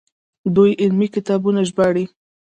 دوی علمي کتابونه ژباړي.